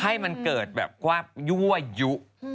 ให้มันเกิดแบบความยั่วยุ